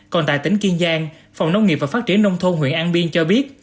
còn tại tỉnh kiên giang phòng nông nghiệp và phát triển nông thôn huyện an biên cho biết